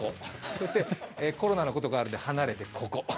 そしてコロナのことがあるので離れてここ。